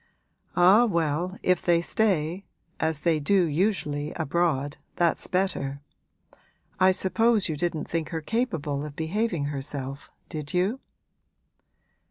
'Ah, well, if they stay, as they do usually abroad, that's better. I suppose you didn't think her capable of behaving herself, did you?'